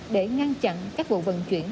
để ngăn chặn các vụ vận chuyển